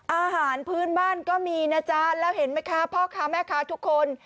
อาหารพื้นบ้านก็มีนะจ๊ะแล้วเห็นไหมคะพ่อค้าแม่ค้าทุกคน